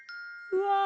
うわ！